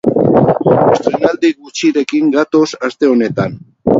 Estreinaldi gutxirekin gatoz aste honetan.